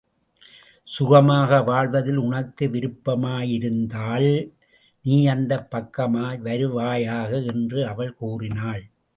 சுகமாக வாழ்வதில் உனக்கு விருப்பமிருந்தால், நீ இந்தப் பக்கமாக வருவாயாக! என்று அவள் கூறினாள்.